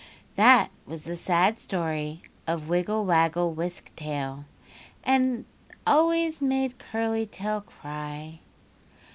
That was the sad story of Wiggle Waggle Wisk Tail that always made Curly Tail cry.